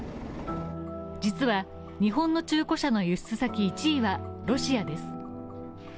実は日本の中古車の輸出先１位はロシアです。